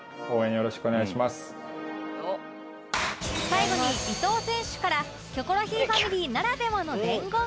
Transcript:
最後に伊東選手から『キョコロヒー』ファミリーならではの伝言が